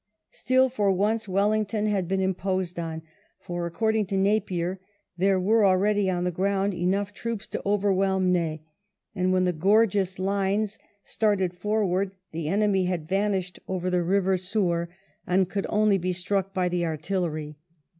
Still, for once Wellington had been imposed on, for according to Napier there were already on the ground enough troops to overwhelm Ney; and when the "gorgeous lines" started forward, the enemy had vanished over the river Soure, and could only be struck by the artillery.